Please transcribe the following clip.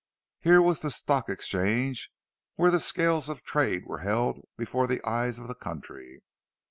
Here was the Stock Exchange, where the scales of trade were held before the eyes of the country.